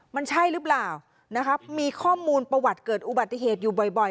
มันใช่หรือเปล่านะครับมีข้อมูลประวัติเกิดอุบัติเหตุอยู่บ่อย